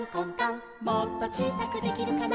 「もっとちいさくできるかな」